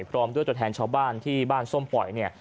พร้อมด้วยตัวแทนชาวบ้านที่บ้านส้มปล่อยเนี่ย